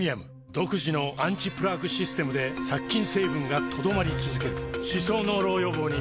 独自のアンチプラークシステムで殺菌成分が留まり続ける歯槽膿漏予防にプレミアム